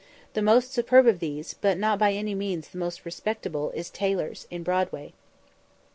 The most superb of these, but not by any means the most respectable, is Taylor's, in Broadway.